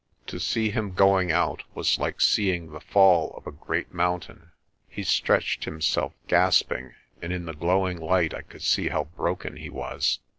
To see him going out was like see the fall of a great mountain. He stretched himself, gasping, and in the growing light I could see how broken he was.